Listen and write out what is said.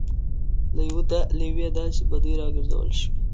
له یوې داسې بدۍ راګرځول شوي.